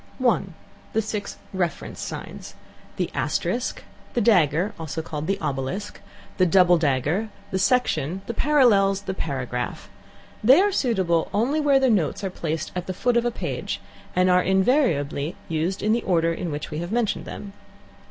(1) The six reference signs: the "asterisk" (*), the "dagger" ([dagger character]) (also called the "obelisk"), the "double dagger" ([double dagger character]), the "section" (§), the "parallels" (||), the "paragraph" (¶). They are suitable only where the notes are placed at the foot of a page, and are invariably used in the order in which we have mentioned them.